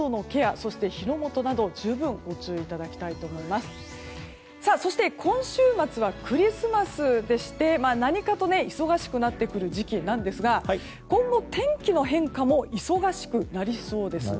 そして今週末はクリスマスでして何かと忙しくなってくる時期なんですが今後、天気の変化も忙しくなりそうです。